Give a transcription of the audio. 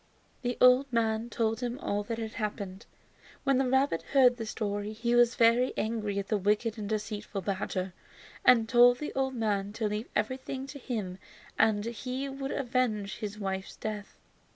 The old man told him all that had happened. When the rabbit heard the story he was very angry at the wicked and deceitful badger, and told the old man to leave everything to him and he would avenge his wife's death.